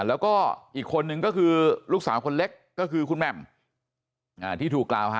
แล้วก็อีกคนนึงก็คือลูกสาวคนเล็กก็คือคุณแม่มที่ถูกกล่าวหา